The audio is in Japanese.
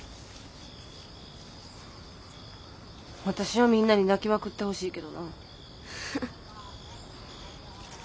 私はみんなに泣きまくってほしいけどな。